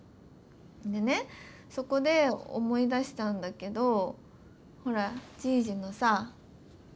でねそこで思い出したんだけどほらじいじのさあの鬼の傷？